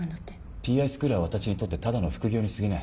ＰＩスクールは私にとってただの副業にすぎない。